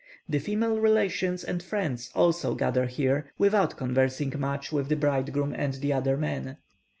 The female relations and friends also gather together here, without conversing much with the bridegroom and the other men.